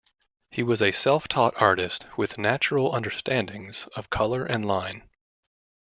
He was a self-taught artist with natural understandings of color and line.